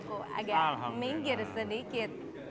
aku agak minggir sedikit